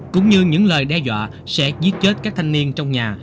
cũng như những lời đe dọa sẽ giết chết các thanh niên trong nhà